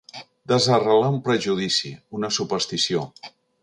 Desarrelar un prejudici, una superstició.